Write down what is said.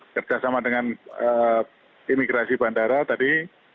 kerjasama dengan imigrasi bandara tadi